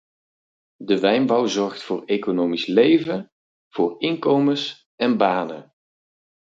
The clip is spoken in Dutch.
De wijnbouw zorgt voor economisch leven, voor inkomens en banen.